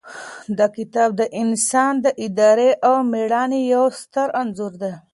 دا کتاب د انسان د ارادې او مېړانې یو ستر انځور دی.